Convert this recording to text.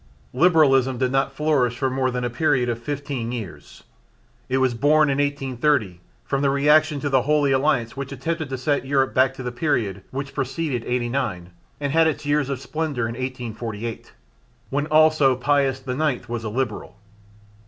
Liberalism did not flourish for more than a period of fifteen years. It was born in 1830 from the reaction to the Holy Alliance which attempted to set Europe back to the period which preceeded '89 and had its years of splendour in 1848, when also Pius IX was a Liberal.